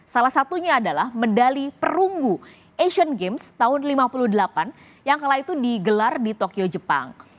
salah satunya adalah medali perunggu asian games tahun seribu sembilan ratus lima puluh delapan yang kala itu digelar di tokyo jepang